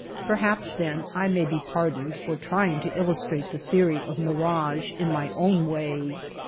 Perhaps then I may be pardoned for trying to illustrate the theory of mirage in my own way.